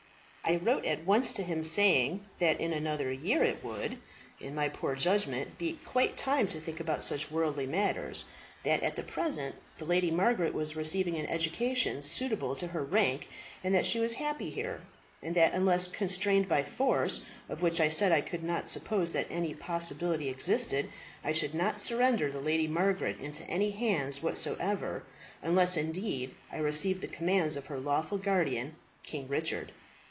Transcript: I wrote at once to him saying, that in another year it would, in my poor judgment, be quite time to think about such worldly matters; that at the present the Lady Margaret was receiving an education suitable to her rank; that she was happy here; and that unless constrained by force of which, I said, I could not suppose that any possibility existed I should not surrender the Lady Margaret into any hands whatsoever, unless, indeed, I received the commands of her lawful guardian, King Richard."